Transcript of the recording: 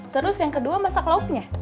terus yang kedua masak lauk nya